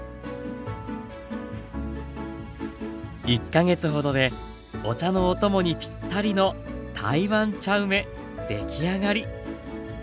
１か月ほどでお茶のお供にピッタリの台湾茶梅出来上がり。